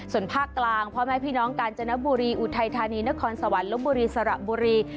ส่วนภาคกลางพ่อแม่พี่น้องกาญจนบุรีอุทัยธานีนครสวรรค์ลบบุรีสระบุรี